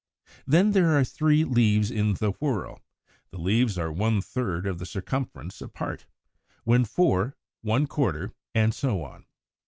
When there are three leaves in the whorl, the leaves are one third of the circumference apart; when four, one quarter, and so on.